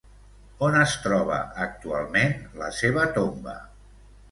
On es troba actualment la seva tomba?